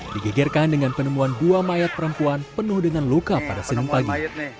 digegerkan dengan penemuan dua mayat perempuan penuh dengan luka pada senin pagi